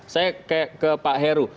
saya ke pak heru